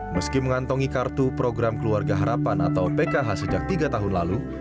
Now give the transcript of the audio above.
meski mengantongi kartu program keluarga harapan atau pkh sejak tiga tahun lalu